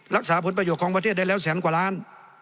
รักษาผลประโยชน์ของประเทศได้แล้วแสนกว่าล้าน